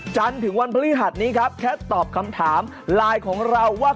จันทร์ถึงวันพฤหัสนี้ครับแค่ตอบคำถามไลน์ของเราว่า